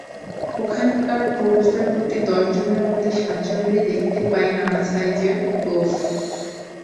ওখানকার পুরুষদের প্রতি দশজনের মধ্যে সাতজনেরই দেখতে পাই নানা সাইজের গোঁফ।